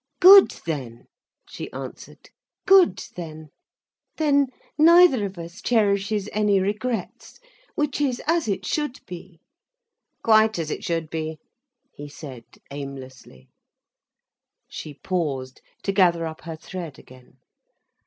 "Good then," she answered, "good then. Then neither of us cherishes any regrets, which is as it should be." "Quite as it should be," he said aimlessly. She paused to gather up her thread again.